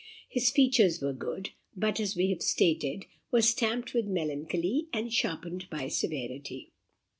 His features were good, but, as we have stated, were stamped with melancholy, and sharpened by severity.